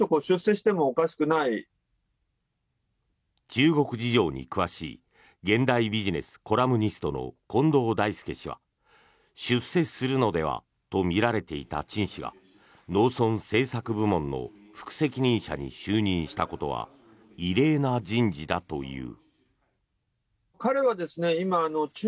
中国事情に詳しい現代ビジネスコラムニストの近藤大介氏は出世するのではとみられていたチン氏が農村政策部門の副責任者に就任したことは異例な人事だという。